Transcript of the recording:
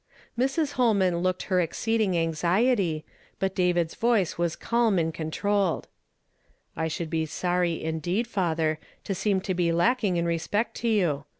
Mr«. Holman looked her exceeding anxiety, but David's voice wm ciilm and controlled. " I should be sorr ), indeed, fatlier, to seoni to be lacking in respect to you.